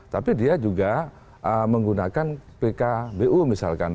tapi dia juga menggunakan pkbbu misalkan